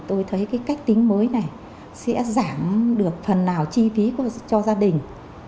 tôi thấy cái cách tính mới này sẽ giảm được phần nào chi phí cho gia đình